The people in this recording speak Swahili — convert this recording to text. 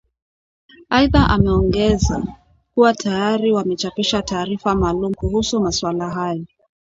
Aidha ameongeza kuwa tayari wamechapisha taarifa maalum kuhusu maswala hayo